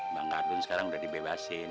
bang kardun sekarang udah dibebasin